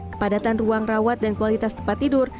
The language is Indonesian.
kepadatan ruang rawat dan kualitas tempat tidur